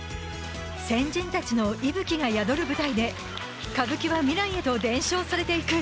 先人たちの息吹が宿る舞台で歌舞伎は未来へと伝承されて行く